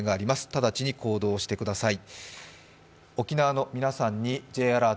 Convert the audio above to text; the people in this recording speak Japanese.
直ちに行動してください。